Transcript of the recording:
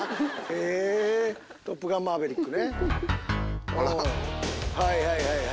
『トップガンマーヴェリック』ね。